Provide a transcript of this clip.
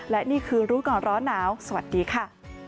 และนี่คือรู้ก่อนร้อนหนาวสวัสดีค่ะ